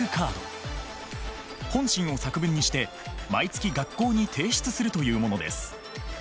本心を作文にして毎月学校に提出するというものです。